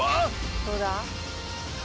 どうだ？